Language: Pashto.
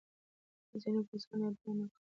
له ځینو کسانو يادونه کړې.